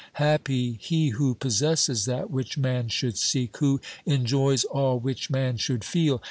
Happy he who possesses that which man should seek, who enjoys all which man should feel